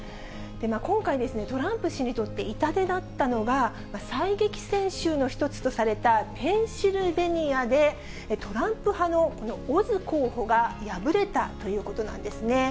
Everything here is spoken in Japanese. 今回、トランプ氏にとって痛手だったのが、最激戦州の一つとされたペンシルベニアで、トランプ派のこのオズ候補が敗れたということなんですね。